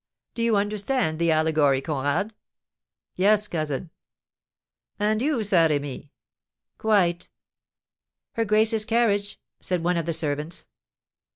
Do you understand the allegory, Conrad?" "Yes, cousin." "And you, Saint Remy?" "Quite." "Her grace's carriage!" said one of the servants.